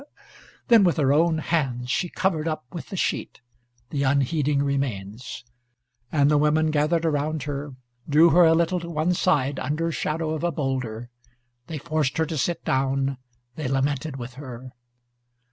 Then with her own hands she covered up with the sheet the unheeding remains. And the women gathered around her, drew her a little to one side, under shadow of a bowlder; they forced her to sit down, they lamented with her.